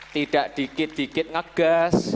tidak dikit dikit ngegas